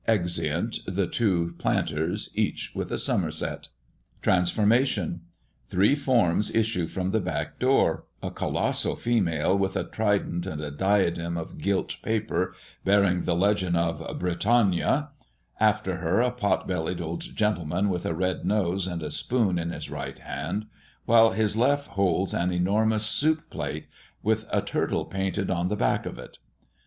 Exeunt the two planters, each with a somerset. Transformation: Three forms issue from the back door; a colossal female, with a trident and a diadem of gilt paper, bearing the legend of "BRITANNIA"; after her, a pot bellied old gentleman, with a red nose and a spoon in his right hand, while his left holds an enormous soup plate, with a turtle painted on the back of it.